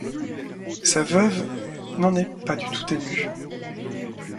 Sa veuve n'en est pas du tout émue.